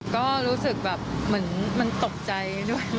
ก็รู้สึกแบบเหมือนมันตกใจด้วย